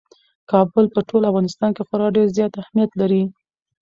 کابل په ټول افغانستان کې خورا ډېر زیات اهمیت لري.